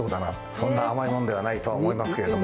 そんな甘いもんではないとは思いますけれども。